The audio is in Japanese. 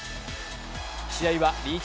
試合はリーチ